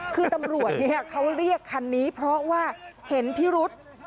คือตำรวจเขาเรียกคันนี้เพราะว่าเห็นพิรุษ